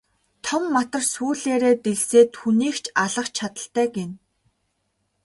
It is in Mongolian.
Том матар сүүлээрээ дэлсээд хүнийг ч алах чадалтай гэнэ.